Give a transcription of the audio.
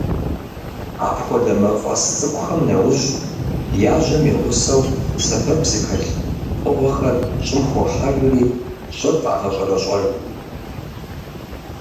Апхуэдэ мафӏэс цӏыкӏухэм нэужь, яжьэм и гъусэу, сэбэп зыхэлъ пкъыгъуэхэр щӏым хохьэжри, щӏыр къагъэщӏэрэщӏэж.